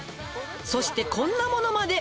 「そしてこんなものまで」